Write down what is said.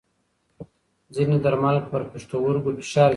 ځینې درمل پر پښتورګو فشار زیاتوي.